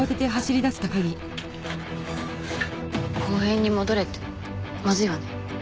公園に戻れってまずいわね。